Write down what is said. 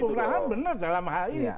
pengurangan benar dalam hal ini